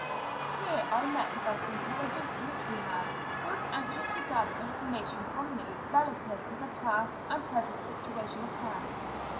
Here I met with an intelligent literary man, who was anxious to gather information from me relative to the past and present situation of France.